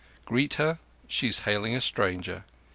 Greet her—she's hailing a stranger!